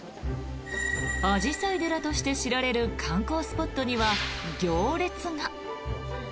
アジサイ寺として知られる観光スポットには行列が。